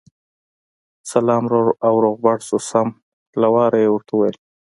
سلا او روغبړ شو، سم له واره یې ورته وویل.